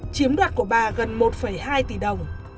chiếm đoạt của bà gần một hai tỷ đồng